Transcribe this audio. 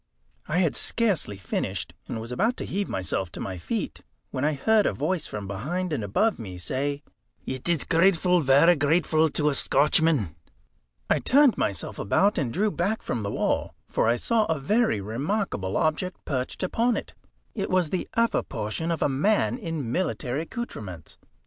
I had scarcely finished, and was about to heave myself to my feet, when I heard a voice from behind and above me say "It is grateful, varra grateful to a Scotchman." I turned myself about, and drew back from the wall, for I saw a very remarkable object perched upon it. It was the upper portion of a man in military accoutrements.